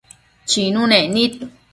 Chinunec nid